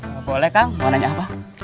boleh kang warna nya apa